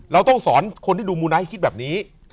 เราต้องสอนคนที่ดูมูไนท์คิดแบบนี้